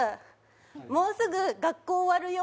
もうすぐ学校終わるよ。